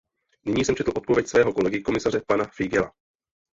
Nyní jsem četl odpověď svého kolegy komisaře pana Figeľa.